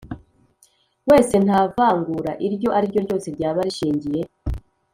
Wese nta vangura iryo ari ryo ryose ryaba rishingiye